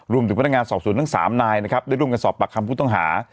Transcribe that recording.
ถึงพนักงานสอบสวนทั้ง๓นายนะครับได้ร่วมกันสอบปากคำผู้ต้องหา